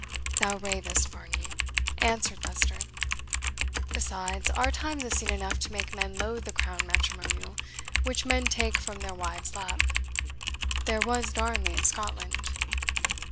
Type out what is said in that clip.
"Thou ravest, Varney," answered Leicester. "Besides, our times have seen enough to make men loathe the Crown Matrimonial which men take from their wives' lap. There was Darnley of Scotland."